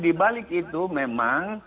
dibalik itu memang